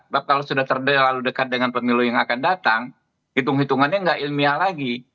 sebab kalau sudah terlalu dekat dengan pemilu yang akan datang hitung hitungannya nggak ilmiah lagi